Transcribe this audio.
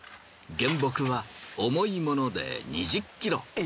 原木は重いもので２０ｋｇ。